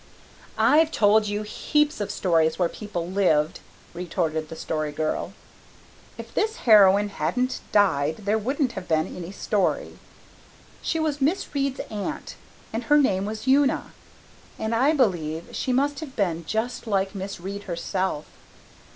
"I've told you heaps of stories where people lived," retorted the Story Girl. "If this heroine hadn't died there wouldn't have been any story. She was Miss Reade's aunt and her name was Una, and I believe she must have been just like Miss Reade herself.